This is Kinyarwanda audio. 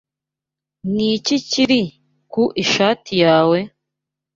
Niki kiri ku ishati yawe?